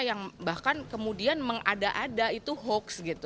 yang bahkan kemudian mengada ada itu hoax gitu